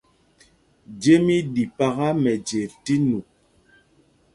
Jem í ɗi paka mɛje tí nup.